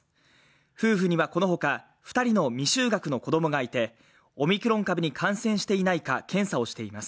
夫婦にはこの他、２人の未就学の子供がいてオミクロン株に感染していないか検査をしています。